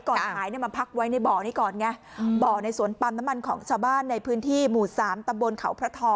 ขโมยมาฟรีแถมได้บาปไปด้วยค่ะ